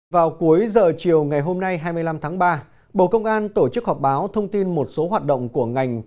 vào cuối giờ chiều ngày hôm nay hai mươi năm tháng ba bộ công an tổ chức họp báo thông tin một số hoạt động của ngành